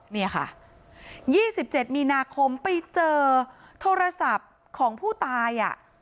นี่ค่ะ๒๗มีนาคมไปเจอโทรศัพท์ของผู้ตาย